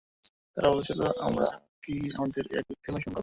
তারা বলেছিল, আমরা কি আমাদেরই এক ব্যক্তির অনুসরণ করব?